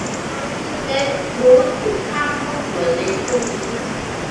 ไมค์และรูธถูกห้ามเข้าสวนในช่วงนี้